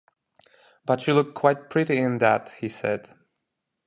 “But you look quite pretty in that,” he said.